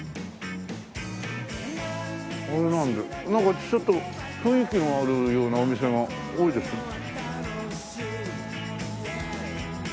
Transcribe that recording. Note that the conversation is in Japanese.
なんかちょっと雰囲気のあるようなお店が多いですね。